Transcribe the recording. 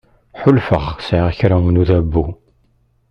Ḥulfaɣ sεiɣ kra n udabu.